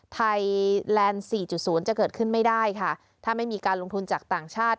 ไทยแลนด์สี่จุดศูนย์จะเกิดขึ้นไม่ได้ค่ะถ้าไม่มีการลงทุนจากต่างชาติ